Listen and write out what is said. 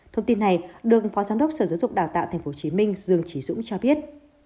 thông tin này được phó giám đốc sở giáo dục đào tạo tp hcm dương trí dũng cho biết